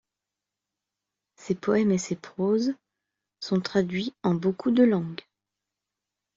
Ses poèmes et ses proses sont traduits en beaucoup de langues.